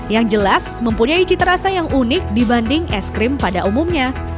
yang jelas mempunyai cita rasa yang unik dibanding es krim pada umumnya